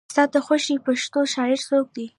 ستا د خوښې پښتو شاعر څوک دی؟